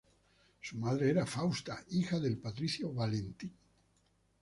Su madre era Fausta, hija del patricio Valentín.